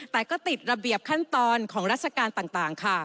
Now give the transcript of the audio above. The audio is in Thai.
แต่ก็ติดระเบียบขั้นตอนของราชการต่างค่ะ